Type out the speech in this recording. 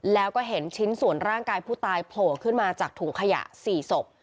แล้วก็เห็นชิ้นส่วนร่างกายผู้ตายโผล่ขึ้นมาจากถุงขยะ๔ศพ